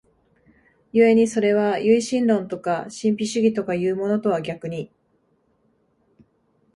故にそれは唯心論とか神秘主義とかいうものとは逆に、